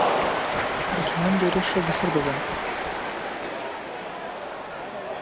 دەتوانن لێرە شەو بەسەر ببەن.